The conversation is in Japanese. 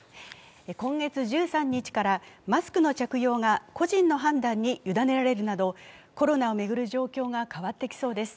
今月１３日からマスクの着用が個人の判断にゆだねられるなど、コロナを巡る状況が変わってきそうです。